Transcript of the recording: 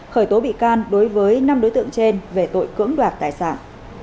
khởi tố bị can đối với năm đối tượng trên về tội cưỡng đoạt tài sản